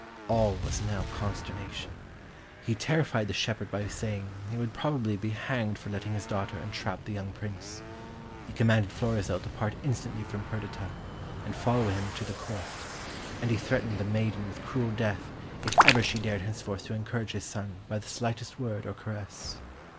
All was now consternation. He terrified the shepherd by saying he would probably be hanged for letting his daughter entrap the young Prince; he commanded Florizel to part instantly from Perdita, and follow him to the Court; and he threatened the maiden with cruel death if ever she dared henceforth to encourage his son by the slightest word or caress.